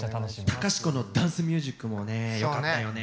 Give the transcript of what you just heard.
隆子のダンスミュージックもねよかったよね。